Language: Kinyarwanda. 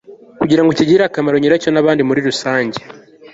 kugira ngo kigirire akamaro nyiracyo n'abandi muri rusange